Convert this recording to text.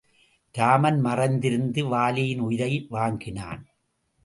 இராமன் மறைந்திருந்து வாலியின் உயிரை வாங்கினான்.